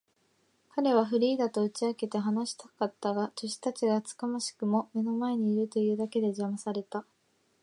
彼はフリーダとうちとけて話したかったが、助手たちが厚かましくも目の前にいるというだけで、じゃまされた。